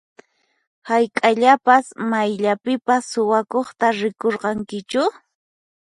Hayk'aqllapas mayllapipas suwakuqta rikurqankichu?